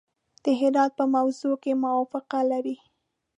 د هرات په موضوع کې موافقه لري.